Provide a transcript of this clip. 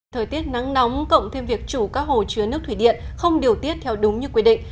thời tiết nắng nóng cộng thêm việc chủ các hồ chứa nước thủy điện không điều tiết theo đúng như quy định